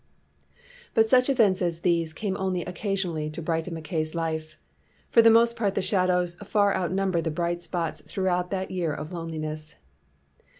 But such events as these came only occa sionally to brighten Mackay 's life. For the most part the shadows far outnumbered the 252 HE LAYS DOWN HIS TOOLS bright spots throughout that year of loneli ness.